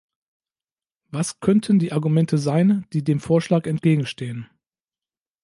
Was könnten die Argumente sein, die dem Vorschlag entgegenstehen?